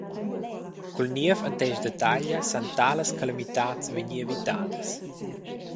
Cul niev attest da taglia san talas calamitads vegnir evitadas.